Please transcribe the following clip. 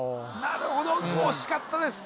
なるほど惜しかったです・